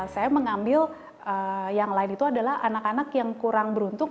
saya mengambil yang lain itu adalah anak anak yang kurang beruntung